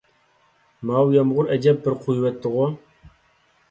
ماۋۇ يامغۇر ئەجەب بىر قۇيۇۋەتتىغۇ!